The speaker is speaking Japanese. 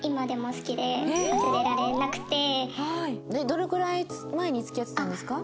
どれくらい前に付き合ってたんですか？